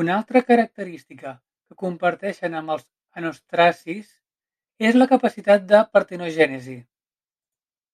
Una altra característica que comparteixen amb els anostracis és la capacitat de partenogènesi.